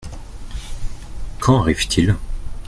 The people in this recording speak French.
Quand arrive-t-il ?